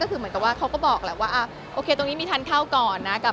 ก็คือแบบว่าเขาก็บอกนะโอเคตรงนี้มีทานข้าวก่อนนะ